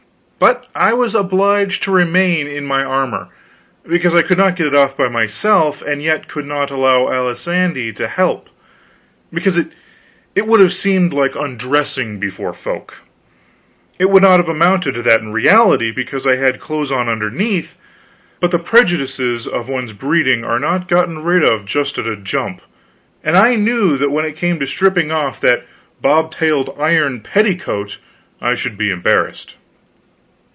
But I was obliged to remain in my armor, because I could not get it off by myself and yet could not allow Alisande to help, because it would have seemed so like undressing before folk. It would not have amounted to that in reality, because I had clothes on underneath; but the prejudices of one's breeding are not gotten rid of just at a jump, and I knew that when it came to stripping off that bob tailed iron petticoat I should be embarrassed.